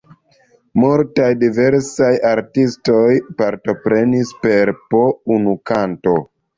Multaj diversaj artistoj partoprenis per po unu kanto.